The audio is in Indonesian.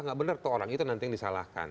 nggak benar tuh orang itu nanti yang disalahkan